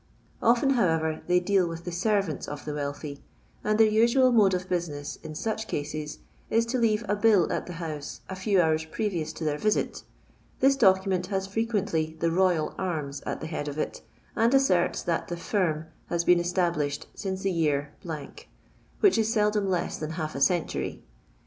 Often, however, they deal with the servants of the wealthy; and their usual mode of business in sich cases is to leave a bill at the house a few hours previous to their visit This document has frequently the royal arms at the head of it, and asserts that the " firm" hu been established since the year —«, which is seldom lew than half a century.